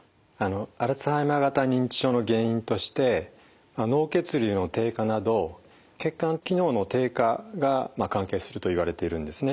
アルツハイマー型認知症の原因として脳血流の低下など血管機能の低下が関係するといわれているんですね。